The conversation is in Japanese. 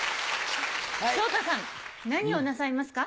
昇太さん何をなさいますか？